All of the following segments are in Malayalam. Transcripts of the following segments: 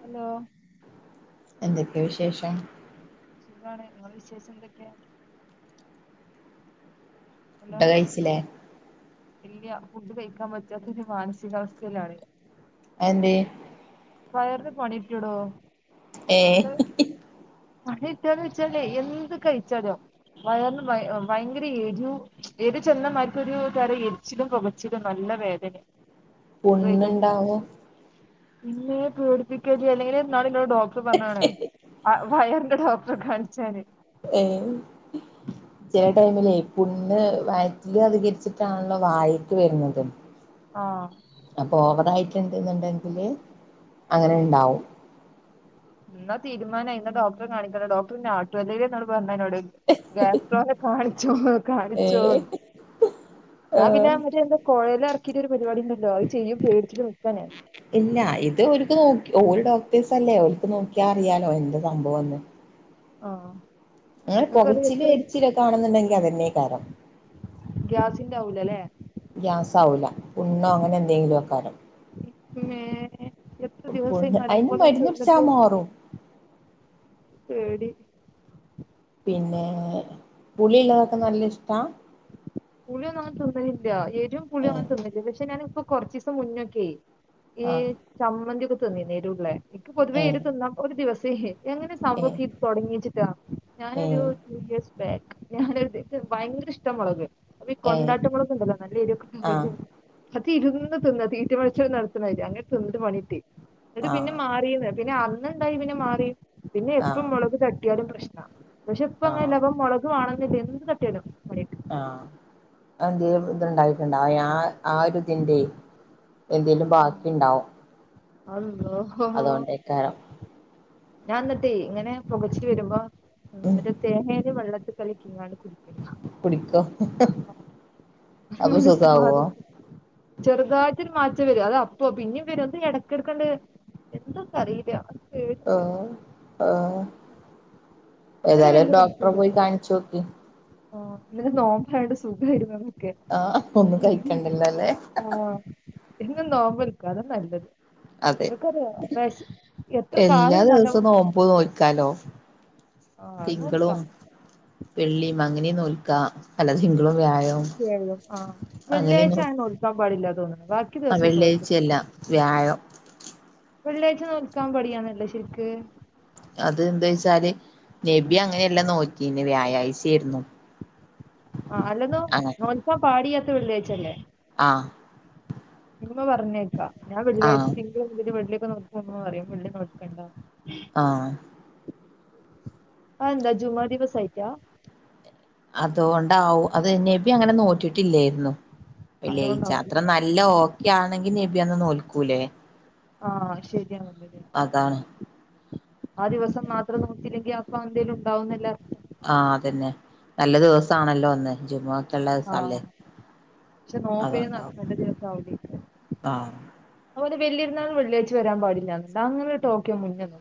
ഹലോ എന്തൊക്കെ വിശേഷം സുഖാണ് ഇങ്ങളെ വിശേഷം എന്തെക്കെ ഇട്ട് കഴിച്ച്‌ലെ ഇല്ല ഫുഡ് കഴിക്കാൻ പറ്റാത്തൊ മാനസികാ അവസ്ഥയിലാണ് ഞാൻ അയെന്തെ വയർന്ന് പണി കിട്ടിയെടൊ ഏ [unintelligible] വെച്ചാലെ എന്ത് കഴിച്ചാലും വയർൻ ദയ ഭയങ്കര എരിവും എരു ചെന്ന മായിക്കൊര് തരം എരിച്ചിലും പൊകച്ചിലും നല്ല വേദനാ പുണ്ണ് ഇണ്ടാവോ ഇമ്മെ പേടിപ്പിക്കെല്ലി അല്ലെങ്കിലെ ഇന്നാൾ ഇന്നോട് ഡോക്ടർ പർണ്ക്ക്ൺ ആ വയറിന്റെ ഡോക്ടറെ കാൺച്ചാൻ ചെല ടൈമിലേ പുണ്ണ് വയറ്റിൽ അധികരിച്ചിട്ടാണല്ലോ വായിക്ക് വെര്ന്നത് ആ അപ്പൊ ഓവറായിട്ട് ഇണ്ട്ന്ന് ഇണ്ടെങ്കിൽ അങ്ങനെ ഇണ്ടാവും ഇന്നാ തീരുനായി ഇന്നാ ഡോക്ടറെ കാണിക്കണം ഡോക്ടർ ഇന്നെ ആട്ടും അല്ലെലെ ഇന്നാൾ പർ അയ് ഇന്നോട് ഗ്യാസ്ട്രോനെ കാണിച്ചോ ഏഹ് കാണിച്ചോന്ന് ഞാൻ പിന്നെ ആഹ് അവര് എന്താ കോഴൽ എറക്കീട്ട് ഒര് പരിപാടി ഇണ്ടല്ലോ അയ് ചെയ്യോ പേട്ച്ച്ട്ട് നിക്കാണ് ഞാൻ ഇല്ല ഇത് ഒര്ക്ക് നോക്കി ഓൽ ഡോക്ടേസ് ത്ത് അല്ലേ ഒൽക്ക് നോക്കിയാ അറിയാലോ എന്താ സംഭവംന്ന് ആ അങ്ങനെ ഇങ്ങക്ക് അത് പുകച്ചില് എത്ര എരിച്ചിലൊക്കെ ആണെന്നുണ്ടെങ്കിൽ അതന്നെക്കാരം ഗ്യാസിന്റാവൂല ലെ ഗ്യാസ് ആവൂലാ പുണ്ണോ അങ്ങനെ എന്തെങ്കിലും ആക്കാരം മേ എത്ര ദിവസായി പുണ്ണ് അയിന് നല്ലപോലെ മര്ന്ന് കുട്ച്ചാ മാറും ശരി. പുളിള്ളതൊക്കെ നല്ല ഇഷ്ട? പുളിയൊന്നും അങ്ങെ തിന്നുന്നില്ല എരിവും ഏ പുളിയും അങ്ങന തിന്നുന്നില്ല പക്ഷെ ഞാനിപ്പോ കൊറച്ച ദിവസം മുന്നോക്കെ ഈ ആ ചമ്മന്തി ഒക്കെ തിന്നില്ലേ എരുള്ളേ എനിക്ക് പൊതുവേ ഏ എരു തിന്നാം ഒരു ദിവസേ ഏ [unintelligible] ഏ ഞാന ഭയങ്കര ഇഷ്ടമുളക്. അപ്പൊ ഈ ഏ കൊണ്ടാട്ട മുളകുണ്ടല്ലോ നല്ല ആ [unintelligible] അത് ഇരുന്ന് തിന്ന് തീറ്റമത്സരം നടത്തുന്നതി അങ്ങനെ തിന്നിട്ട് പണി കിട്ടി. അത് ആ പിന്നെ മാറിയന്ന് പിന്നെ അന്നുണ്ടായി പിന്നെ മാറി പിന്നെ ആ എപ്പം മുളക് തട്ടിയാലും പ്രശ് പക്ഷെ ഇപ്പ ആ അങ്ങനെല്ല ഇപ്പ മുളക് വേണന്നില്ല എന്ത് തട്ടിയാലും പണി കിട്ടും ആ അന്ത് ഇത്ണ്ടായിട്ടുണ്ട ആ ആ ഒരു ഇതിന്റെ എന്തേലും ബാക്കി ഉണ്ടാവും. അള്ളോ അതുകൊണ്ടേക്കാരം. ഞാൻ എന്നിട്ടേ ഇങ്ങനെ പുകച്ചില് വരുമ്പോ മറ്റേ തെങ്ങൻ്റെ വെള്ളത്തിൽ കളിക്ക കുടിക്കും. മനസ് ചെറുതായിട്ടരു മാറ്റ വരും അത് അപ്പൊ പിന്നും വരും എന്ത ഇടക്കെടുക്കണ്ടണ്ട് എന്തൊക്കെ അറിയില്ല. ആ. പേടിണ്ട് ഇന്നലെ ഏതായാലും ഒരു ഡോക്ടറെ പോയി കാണിച്ചു നോക്കി. ആ ഇന്ന് നോമ്പ് ആയോണ്ട് സുഖമായി ആഹ് ഒന്നും കഴിക്കണ്ടില്ലല്ലേ. പിന്നെ നോമ്പൽക്ക അതാ നല്ലത്. അതെ [unintelligible] എത്ര എല്ലാ കാലം ദിവസവും [unintelligible] നോമ്പ് നോൽക്കാലോ ആ അതാ തിങ്കളും [unintelligible] വെള്ളിയും അങ്ങനെ നോക്കാ പലതെങ്കിലും ആ വെള്ളിയാഴ്ച അങ്ങനെയൊന്നും അങ്ങനെ നോക്കാൻ പാടില്ലാ തോന്നുന്നത്. ബാക്കി ആ ദിവസം കുഴപ്പില്ല. വെള്ളിയാഴ്ചയല്ല വ്യാഴം വെള്ളിയാഴ്ച നോക്കാൻ പടിയാണല്ലേ ശരിക്ക്? അത് എന്താ വച്ചാല് ആ നബി അങ്ങനെയെല്ലാം നോക്കിന്ന് വ്യാഴാഴ്ച ആയിരുന്നു. ആ അല്ലെന്നോ നോൽക്കാൻ പാടില്ലാത്ത വെള്ളിയാഴ്ച്ചല്ലേ? ആഹ് ഇമ്മ പർഞ്ഞേക്കാ ഞാ വെള്ളിയാഴ്ച ആഹ് തിങ്കള് മുതല് വെള്ളിക്കെ നോറ്റ ഇമ്മ പറിം വെള്ളി നോൽക്കണ്ട ആഹ്. അ എന്താ ജുമാ ദിവസായിട്ട? അതോണ്ടാവും. അതെ നബി അങ്ങനെ നോറ്റിട്ടില്ലായിരുന്നു. വെള്ളിയാഴ്ച്ച അതുകൊണ്ടാവുംല്ലേ അത്ര നല്ല ഓക്കെ ആണെങ്കി നബി അന്ന് നോൽക്കൂലേ? ആഹ് ശരിയാണ്. അതാണ്. ആ ദിവസം മാത്രം നോറ്റില്ലെങ്കി അപ്പ എന്തേലും ഉണ്ടാവുന്നല്ലേ അർത്ഥം ആഹ് അതന്നെ നല്ല ദിവസാണല്ലോ അന്ന് ജുമുഅ ക്കള്ള ദീസല്ലേ. ശേ നോമ്പിന് നല്ല ദിവസം ആവുല്ലാ യ്ക്കാരം. ആഹ് അതുപോലെ വല്യര്ന്നാള് വെള്ളിയാഴ്ച്ച വരാൻ പാടില്ല അങ്ങനൊരു ടോക്ക് ഞാ മുന്നേ നോ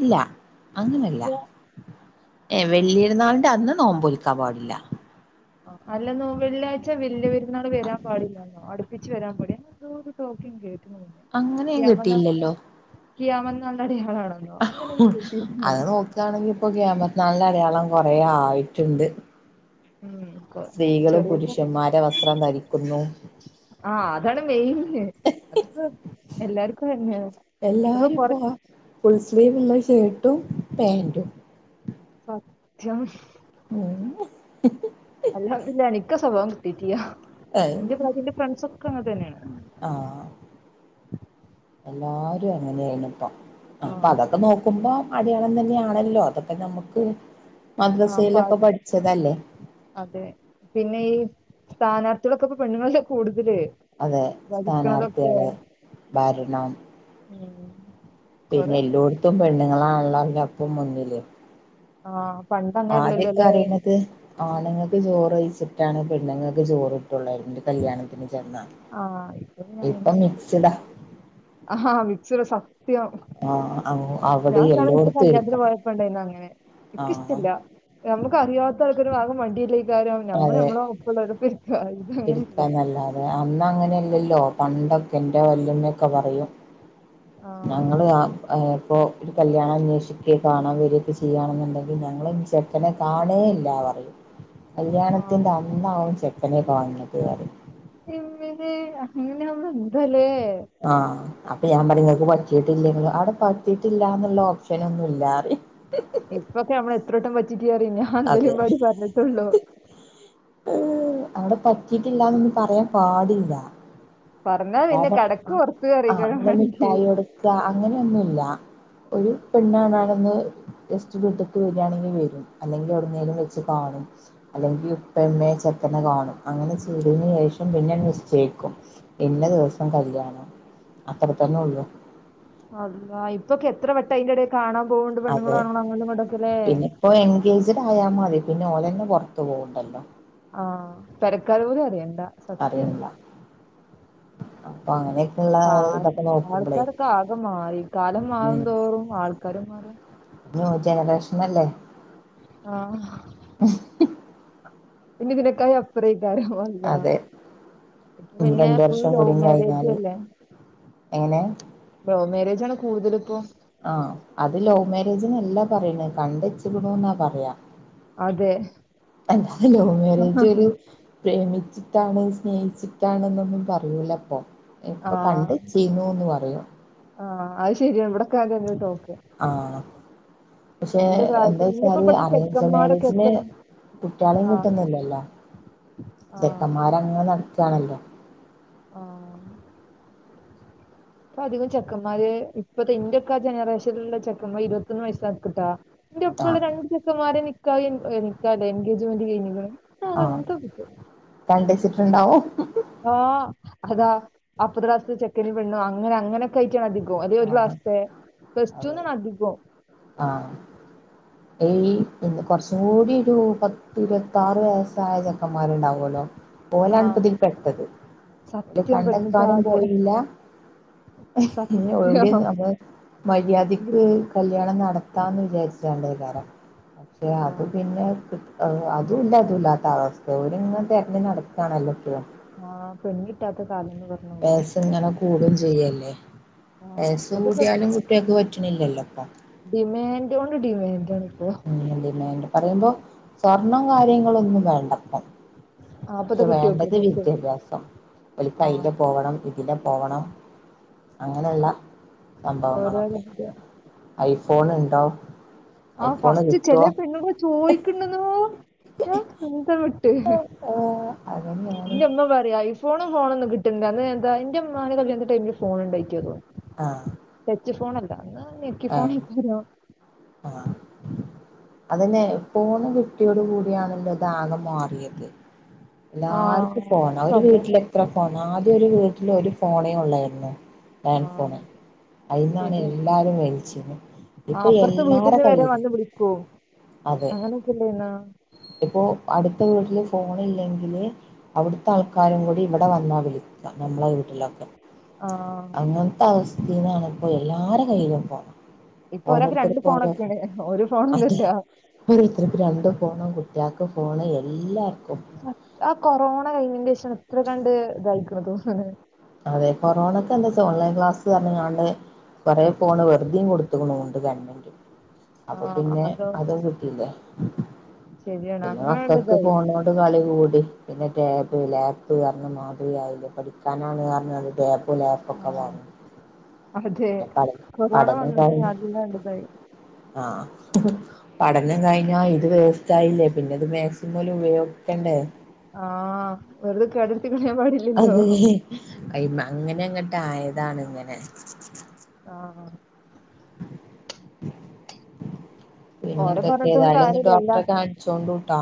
ഇല്ല അങ്ങനല്ല ഏ വല്യര്ന്നാൾന്റെ അന്ന് നോമ്പൊൽക്കാ പാടില്ല. അല്ലെന്നോ വെള്ളിയാഴ്ച വല്യ പെരുന്നാള് വരാൻ പാടില്ലാന്നോ അടുപ്പിച്ച് വരാൻ പാട് അങ്ങനെന്തൊ ഒരു ടോക്ക് ഞാ കേ അങ്ങനെ ഞാൻ കേട്ടില്ലല്ലോ. കിയാമത്ത് നാളിൻ്റെ അടയാ അത് നോക്കാണെങ്കി ഇപ്പൊ ക്യാമ ത്ത് നാളിന്റെ അടയാളം കൊറേ ആയിട്ട്ണ്ട്. ഉം സ്ത്രീകള് ചെറിയ പുരുഷന്മാരെ വസ്ത്രം ധരിക്കുന്നു. ആഹ് അതാണ് മെയ്ന്. എല്ലാർക്കും അയെന്നാണ്. ഞ്ഞ്പ്പ കൊറ സ്ലീവ്ള്ള ഷേട്ടും പാൻറും. സത്യം അല്ലാ പിന്നെ എ നിക്കാ സ്വഭാവം കിട്ടീട്ടിയ്യ. ഇന്റെ പ്രായത്തി ന്റെ ഫ്രണ്ട്സ് ഒക്കെ അങ്ങനെ തന്നേണ്. ആഹ് എല്ലാരും അങ്ങനെയാണ് ഇപ്പം ആ അപ്പൊ അതൊക്കെ നോക്കുമ്പോ അടയാളം തന്നെയാണല്ലോ അതൊക്കെ നമ്മുക്ക് ആഹ് അതെ പിന്നെ ഈ സ്ഥാനാർഥി ഇവിടൊക്കെപ്പ പെണ്ണുങ്ങളല്ലേ കൂടുതല് അതെ ഭരിക്കുന്നതൊക്കെ സ്ഥാനാർത്ഥികള് ഭരണം പിന്നെ എല്ലോടത്തും പെണ്ണുങ്ങളാണല്ലോല്ലപ്പം മുന്നില് ആഹ് ആദ്യൊക്കെ അറിയുന്നത് ആണുങ്ങൾക്ക് ചോറ് കഴിച്ചിട്ടാണ് പെണ്ണുങ്ങൾക്ക് ചോറ് ള്ള ന്റെ കല്യാണത്തിന് ചെന്നാ ആ ഇപ്പൊ മിക്സ്ഡാ ആഹാ മിക്സ്ഡ് സത്യം ആഹ് അവിടെ ഞാൻ ഇന്നാണ് ഒരു ദിവസം എല്ലോടത്തും കല്യാണത്തിന് ഇരിക്കാം പോയപ്പോൾ ഉണ്ടായിരുന്നു അങ്ങനെ എനിക്ക് ആഹ് ഇഷ്ടില്ല നമുക്ക് അറിയാത്ത ആൾക്കൊരു ഭാഗം വണ്ടി അതെ ഇരിക്ക ഇത് അങ്ങനെല്ല എടുക്കാനല്ല അതെ അന്ന് അങ്ങനെയല്ല ല്ലോ പണ്ടൊക്കെന്റെ വല്ല്മയൊക്കെ പറയും ആഹ് ഞങ്ങള് ഇപ്പോ ഒരു കല്യാണം അന്വേഷിക്കേ കാണാൻ വരിയൊക്കെ ചെയ്യണെന്നുണ്ടെങ്കിൽ ഞങ്ങൾ ചെക്കനെ കാണേയില്ല പറയും ആഹ് കല്യാണത്തിന്റെ അന്നാവും ചെക്കനെ കാണുന്നത് പറയും അങ്ങനെയാ എന്താല്ലേ ആഹ് അപ്പൊ ഞാൻ പറഞ്ഞ് പറ്റിട്ടില്ലെങ്കി അവിടെ പറ്റിയിട്ടില്ലാന്നുള്ള ഓപ്ഷനൊന്നുമില്ലാറി ഇപ്പൊക്കെ നമ്മളെത്രവട്ടം പറ്റിയിട്ടില്ല പറയും ഞാൻ അതെ ഇന്നലെം പാട് പറഞ്ഞിട്ടേള്ളൂ പറഞ്ഞിട്ടുള്ളൂ ഉം അവിടെ പറ്റീട്ടില്ലന്നൊന്നും പറയാൻ പാടില്ല പറഞ്ഞാ പിന്നെ കാരണം കടക്ക് ആ പുറത്ത് ആ അറിയിക്കാരം അങ്ങനെ വാണെങ്കി മിഠായി കൊടുക്കുക അങ്ങനെയൊന്നുല്ല ഒരു പെണ്ണാണാണെന്ന് ജസ്റ്റ് വീട്ടിക്ക് വരികയാണെങ്കിൽ വരും അല്ലെങ്കിൽ എവിടേലും വെച്ച് കാണും അല്ലെങ്കിൽ ഇപ്പോ ചിലപ്പോൾ കാണും അങ്ങനെ ചെയതേന് ശേഷം പിന്നെ മിസ്റ്റേക്കും ഇന്ന ദിവസം കല്യാണം അത്രതന്നെ ഉള്ളൂ അല്ല ഇപ്പൊക്കെ എത്ര വട്ടം അതിന്റെടക്ക് കാണാം പോണ്ട് പെണ്ണുങ്ങളും അതെ ആണുങ്ങളും അങ്ങോട്ടുമിങ്ങോട്ടും ഒക്കെ ലേ പിന്നെ ഇപ്പോ എൻഗേജ്ഡ് ആയാൽ മതി പിന്നെ ഓലന്നെ പുറത്തു പോകണ്ടല്ലോ ആഹ് പെരകാര് പോലും അറിയണ്ടാ സത്യം സത്യമാണ് അപ്പാെ അങ്ങനെയൊക്കെ ആ ആൾക്കാരൊക്കെ ആകെ മാറി കാലം മാറും ഉം തോറും ആൾക്കാരാ മാറാ ന്യൂ ജനറേഷൻ അല്ലേ ആഹ് ഇഞ് [unintelligible] അതെ ഇപ്പൊ ഇനി പിന്നെ രണ്ട് ഫുൾ വർഷം ലവ് കൂടിയും മേരേജ് കഴിഞ്ഞാല് അല്ലേ എങ്ങനെ ലൗ മേരേജ് ആണ് കൂടുതൽ ഇപ്പോ ആഹ് അത് ലവ് മാരേജന്നല്ലാ പറയണ് കണ്ടചേക്ണു എന്നാ പറയാ അതെ അല്ല ലവ് മാരേജ് ഒരു പ്രേമി ിട്ടാണ് സ്നേഹിച്ചിട്ടാണ് എന്നൊന്നും പറയൂല അപ്പൊ ഇപ്പൊ കണ്ട് ആഹ് ചെയ്യുന്നുന്ന് പറഞ്ഞു ആഹ് അത് ശരിയാണ് ഇവിടെക്കാദ്യായ്ട്ട് നോക്ക ആഹ് പക്ഷെ എന്താ വച്ചാല് അറേഞ്ച് ചെക്കന്മാരൊക്കെ മാരേജില് എത്ര കുറ്റാളും ആഹ് കിട്ടുന്നില്ലല്ലോ ആഹ് ചെക്കന്മാരങ്ങനെ നടക്കയാണല്ലോ ആഹ് ഇപ്പൊ അധികം ചെക്കന്മാര് ഇപ്പത്തെ എന്റെയൊക്കെ ജനറേഷനുള്ള ചെക്കന്മാർ ഇരുപത്തൊന്ന് വയസ്സാക്കിട്ടാ എന്റെ ഒപ്പള്ള ആഹ് രണ്ട് ചെക്കന്മാരെ നിക്കാഹ് [unintelligible] എൻഗേജ്മെന്റ് കഴഞ്ഞിക്ണ് ആഹ് കണ്ടച്ചിട്ടുണ്ടാവും ആ അതാ അപ്പരദാസ ചെക്കനുപെണ്ണു അങ്ങനെ അങ്ങനൊക്കെ അധികവും അതെ ഒരു ആഹ് ക്ലാസ്ത്തെ പ്ലസ് ടു അതെ ന്നാണധികവും ഏയ് ഒന്ന് കൊറച്ചും കൂടി ഒരു പത്തിരുപത്താറ് വയസ്സായ ചെറ്ക്കന്മാരുണ്ടാവുമല്ലോ ഓലാണ് ആഹ് പ്പിതീ പെട്ടത് ഓരു സത്യം കണ്ടെക്കാനും പെണ്ണില്ലാതെ പോയില്ല സത്യം എവിടെ ആഹ് നമ്മ മര്യാദ്ക്ക് കല്യാണം നടത്ത കിത്താന്ന് വിചാരിച്ചാണ്ട് കാരം പക്ഷെ അത് പിന്നെ അതുമില്ല ഇതും ഇല്ലാത്ത അവസ്ഥ ഒരിങ്ങനെ തിരഞ്ഞ് നടക്കുകാണല്ലോക്കെയും ആഹ് പെണ്ണ് കിട്ടാത്ത കാലംന്ന് പറഞ്ഞ പോലെ പേസ ഇങ്ങനെ കൂടും ചെയ്യല്ലേ ആഹ് പേസ കൂട്ടിയാലും കുട്ടിയക്ക്പറ്റ അനില്ലല്ലപ്പ ഡിമാന്റോട് ഡിമാൻറാണ് ഉം പിന്നെ ഡിമാന്റ് പറയുമ്പോ സ്വർണം കാര്യങ്ങളൊന്നും വേണ്ട്പ്പോ ആപ്പത്തെ പക്ഷെ കുട്ടിയോൾക്ക് വേണ്ടത് പെൺകുട്ടിയോൾക്ക് വിദ്യാഭ്യാസം ഒരു കൈയില് ആഹ് പോവണം ല് പോവണം അങ്ങനെയുള്ള ഓരോരോ സംഭവങ്ങളൊക്കെ ഇത് ഫോൺ ണ്ടോ ആഹ് ഫസ്റ്റ് ചെല പെണ്ണ്ങ ചോയ്ക്കണ്ന്നു ഓ എന്ത് വ്ട്ട് ഏഹ് അതന്നെയാണ് എന്റെ അമ്മ പറയാ ഐഫോണും ഫോണൊന്നും കിട്ടുന്നണ്ട് എന്താ എന്റെ അ്മാെ ക എ ടൈമില് ഫോണ ഉണ്ടായിോോ ആഹ ച്ച് ഫോണല്ല എന്ന എക്കി ഫോണക്കോ അതിനെപ്പോണ് കിട്ടിയോട് കൂടിയണല്ലോതാകം മാറിയത് എല്ലാർക്കും ആഹ് ഫോൺ ഒരു സ്വഭാവം വീട്ടില എത്ര ഫോൺ ആദ്യം ഒരു വീട്ടില് ഒരു ഫോണേയും ഉള്ളായിരുന്നു ലാൻഡ് ഫോൺ ആഹ് അതിൽന്നാണ് ശരിയാണ് എല്ലാവരും മേലിച്ചിുന്നത് ആഹ് ഇപ്പൊ അപ്പുറത്തെ എല്ലാരു വീട്ടിന്ന് വരെ കയ്യിയില് വന്ന് വിളിക്കും അതെ അങ്ങനെയൊക്കെ ഇല്ലേന്നോ ഇപ്പോൊ അടു ഇത്തെ വീട്ടില് ഫോൺ ഇല്ലെങ്കിൽ അവിടുത്തെ ആഹ് ആൾക്കാരും കൂടി ഇവിടെ വന്നാൽ മതി നമ്മളെ വീട്ടിലൊക്കെ ആഹ് അങ്ങനത്തെ അവസ്ഥ ീന്നണിപ്പോ എല്ലാരും കയ്യില ഇപ്പോ ഇപ്പൊ ഒരാൾക്ക് ഓരോരുത്തർ രണ്ട് പോരാ ഫോണൊക്കെയാണ് ഒരു അതെ ഫോണൊന്നുല്ല ഓരോരുത്തർക്ക് രണ്ടും ഫോണും കുട്ടികൾക്ക് ഫോണ് എല്ലാവർക്കും ആ കൊറോണ കഴിഞ്ഞന്റെ ശേഷാണ് എത്ര കണ്ട് ഇതായിക്കണ തോന്നെ അതെ കൊറോണക്കെ എന്താ വച്ച ഓൺലൈൻ ക്ലാസ്സ് പറഞ്ഞ ഞാണ്ട് കൊറെേ ഫോണ് വെറുതും കൊടു ണ്ട് ഗവൺമെന്റ അപ്പൊ ആഹ് പിന്നെ അതോ അതും കിട്ടിയില്ലേ ശരിയാണ് പിന്നെ അങ്ങനെണ്ട് മക്കക്ക് ഇതായി പോണോട് കളി കൂട പിന്നെ ടാപ്പ് ലാപ്പ് പറഞ്ഞ മാതിരിയയില്ല പഠിക്കാനാണ് പറഞ്ഞത് ടാപ്പ് ഗലബ ആഹ് പക്കവും അതെ കൊറോണ വന്നിട്ട് ഞതല്ലാണ്ടതായി ആഹ പഠനം കഴിഞ്ഞാ ഇത് വേസ്റ്റ് ആായില്ലേ പിന്നെ ഇത് മാക്സിമംല ഉപയോഗിക്കണ്ടേ ആഹ വറദക്കെ അഡർത്തി കെ മാില്ലല്ലോ അ അങ്ങനെങ്ങോട്ട ആയതാണ് ഇങ്ങനെ ആഹ് പിന്നെ ഓരെ എന്തൊക്കെ പറഞ്ഞിട്ടും ഏതായാലും ഒന്ന് കാര്യല്ലല്ല ഡോക്ടറെ കാണിച്ചോണ്ട് കട്ടാ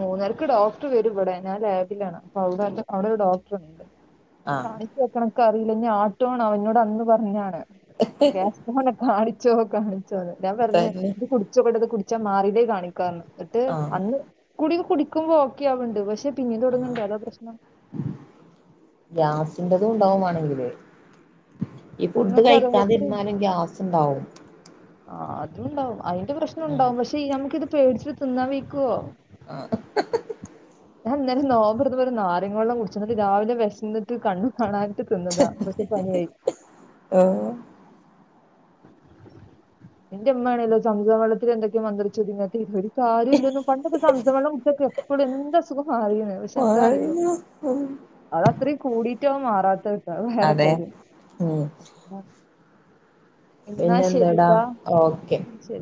മൂന്നരക്ക് ഡോക്ടർ വരും ഇവിടെ ഞാൻ ലാബിലാണ് അപ്പ അവിടെ അവിടെ ഒരു ഡോക്ടറണ്ട് ആഹ് കാണിച്ചു വെക്കണക്ക അറിയില്ല ാ ആട്ടോണ അവനോട് അന്ന് പറഞ്ഞാണ് നെ കാണിച്ചോ കാണിച്ചോന്ന് ഞാൻ പറഞ്ഞ തന്നെ ഇത് കുടിച്ചോ കേട്ടത് കുിച്ച ഉച്ച മാറതേ കാണിക്കാന്ന് എന്നട്ട് ആഹ് അന്ന് കുൂടി കുടിക്കുമ്പോ ഓക്കെ ആവണ്ട് പക്ഷെ പിന്നെ ആഹ് തുൊടങ്ങണ്ട അതോ പ്രശ്നം [unintelligible] ഉണ്ടാവുവാണെങ്കില് ഈ ഫുഡ് നിങ്ങൾക്ക് അറിയാം എത്ര കഴിക്കാതിരുന്നാലും ഗ്യാസ് ഉണ്ടാവും ആ അതും ഉണ്ടാവും അതിന്റെ പ്രശ്നംുണ്ടാവും പക്ഷെ ഞമിക്കിത് പേടിച്ചിട്ട് തിന്നാൻ വിക്കുവോ ആ [unintelligible] ഞാൻ ഇന്നലെ നൊമ്പറ്ത്തപോരു നാരങ്ങെള്ളം കുടിച്ച് എന്നിട്ട് രാവിലെ വിശന്നിട്ട് കണ്ണ് കാണാൻ [unintelligible] തിന്നതാ പക്ഷെ പണിയായി [inaudible] ആഹ് എന്റെ ഉമ്മയാണേലോ സമുദാവളത്തിൽ എന്തൊക്കെയൊ മന്ത്രിച്ച് [unintelligible] കാര്യമല്ലന്നും പണ്ടൊക്കെ സംമിച്ചം വെള്ളം കുടിച്ച എപ്പോഴും എന്താസുഖം മാറിന്ന് പക്ഷെ എന്താ അറിയില്ല അതത്രയും കൂടിയിട്ടാവും മാറാത്ത അത് വേറെ അതെ കാര്യം [inaudible] എന്നാ പിന്നെ എന്തേടാ ശരിട്ടാ ഓക്കെ ശരി